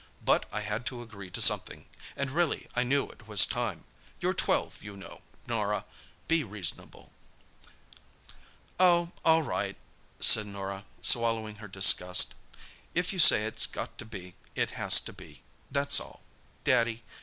"But I had to agree to something—and, really, I knew it was time. You're twelve, you know, Norah. Be reasonable." "Oh, all right," said Norah, swallowing her disgust. "If you say it's got to be, it has to be, that's all, Daddy.